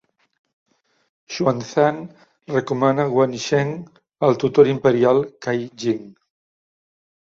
Xuan Zan recomana Guan Sheng al Tutor Imperial, Cai Jing.